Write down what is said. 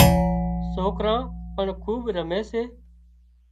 سوڪرا پڻ کُوٻ رمي سي